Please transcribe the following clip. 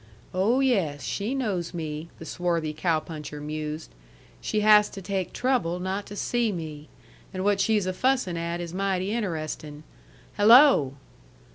"Oh, yes, she knows me," the swarthy cow puncher mused. "She has to take trouble not to see me. And what she's a fussin' at is mighty interestin'. Hello!"